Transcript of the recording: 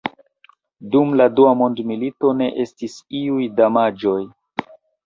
Dum la Dua mondmilito ne estis iuj damaĝoj.